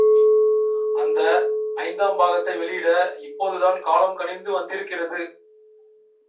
அந்த ஐந்தாம் பாகத்தை வெளியிட இப்போதுதான் காலம் கனிந்து வந்திருக்கிறது.